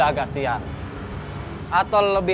ada siapa putri